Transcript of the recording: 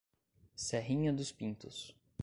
Serrinha dos Pintos